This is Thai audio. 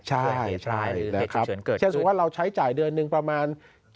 ใช่นะครับเช่นว่าเราใช้จ่ายเดือนนึงประมาณ๗๐๐๐